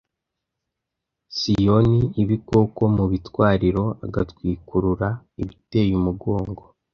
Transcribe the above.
siyoni ibikoko mu bitwariro agatwikurura ibiteye umugongo